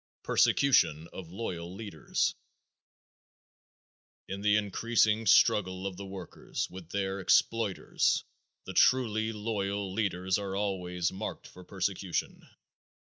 Persecution of Loyal Leaders. In the unceasing struggle of the workers with their exploiters the truly loyal leaders are always marked for persecution.